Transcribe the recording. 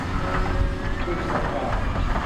กรุงลงกา